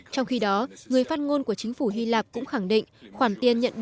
trong khi đó người phát ngôn của chính phủ hy lạp cũng khẳng định